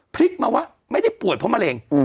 พลิกมาว่าไม่ได้ป่วยเพราะมะเร็ง